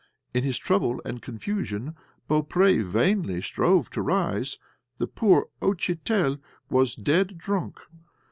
In his trouble and confusion Beaupré vainly strove to rise; the poor "outchitel" was dead drunk.